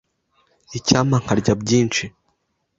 Icyampa nkarya byinshi.